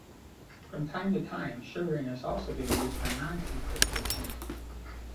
From time to time sugaring has also been used for non-food preservations.